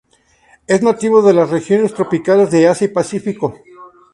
Es nativo de las regiones tropicales de Asia y Pacífico.